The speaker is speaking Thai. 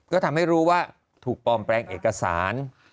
ก็ทำให้รู้ว่าถูกปลอมแปลงเอกสาร